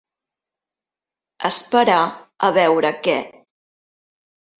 Esperar a veure què.